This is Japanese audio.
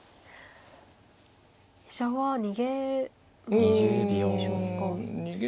飛車は逃げるんでしょうか。